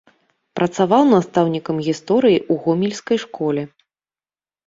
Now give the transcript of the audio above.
Працаваў настаўнікам гісторыі ў гомельскай школе.